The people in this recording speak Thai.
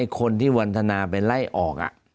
คนที่วันทนาไปไล่ออก